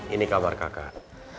ini kamar kakak